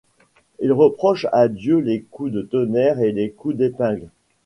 Il reproche à Dieu les coups de tonnerre et les coups d’épingle.